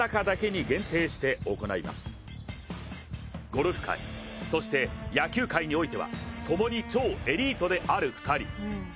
ゴルフ界、そして野球界においてはともに超エリートである２人。